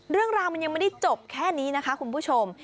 เรื่องราวมันยังไม่ได้จบแค่นี้นะคะคุณผู้ชม